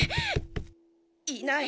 いない。